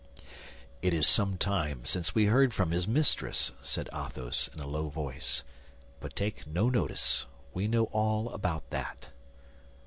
"It is some time since we heard from his mistress," said Athos, in a low voice. "But take no notice; we know all about that."